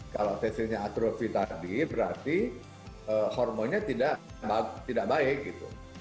kalau tesilnya atrofi tadi berarti hormonnya tidak baik gitu